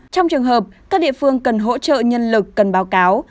trong trường hợp các địa phương cần hỗ trợ nhân lực cần báo cáo